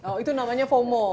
oh itu namanya fomo